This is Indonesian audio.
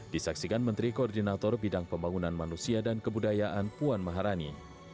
disaksikan menteri koordinator bidang pembangunan manusia dan kebudayaan puan maharani